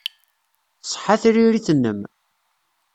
Tṣeḥḥa tririt-nnem.